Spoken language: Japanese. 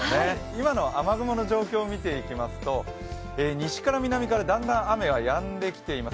今の雨雲の状況を見ていきますと、西から南からだんだん雨はやんできています。